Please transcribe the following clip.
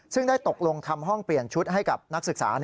ซึ่งได้ตกลงทำห้องเปลี่ยนชุดให้กับนักศึกษา